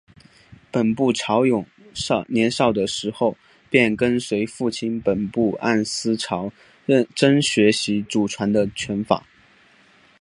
本部朝勇年少的时候便跟随父亲本部按司朝真学习祖传的拳法。